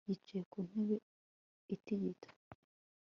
Yicaye ku ntebe itigita